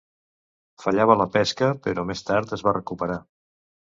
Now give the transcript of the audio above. Fallava la pesca, però més tard es va recuperar.